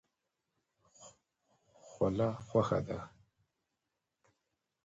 خوله خوښه ده.